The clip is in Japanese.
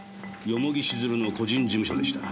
蓬城静流の個人事務所でした。